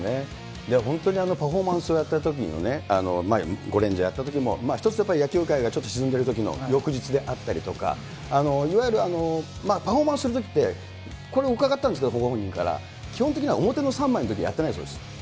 本当にパフォーマンスをやったときも、ゴレンジャーやったときも一つやっぱり野球界が沈んでいるときの翌日であったりとか、いわゆるパフォーマンスするときって、これも伺ったんですけど、ご本人から、基本的には表の３枚のとき、やってないそうです。